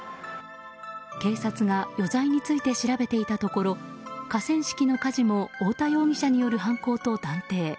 警察が余罪について調べていたところ河川敷の火事も太田容疑者による犯行と断定。